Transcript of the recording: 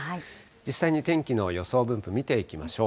実際に天気の予想分布、見ていきましょう。